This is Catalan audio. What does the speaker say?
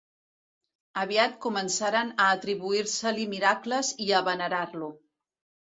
Aviat començaren a atribuir-se-li miracles i a venerar-lo.